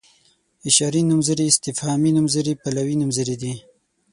اشاري نومځري استفهامي نومځري پلوي نومځري دي.